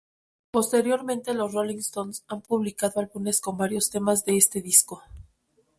Posteriormente los Rolling Stones han publicado álbumes con varios temas de este disco.